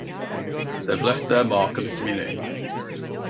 They have left their mark on the community.